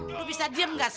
eh lu bisa diem gak sih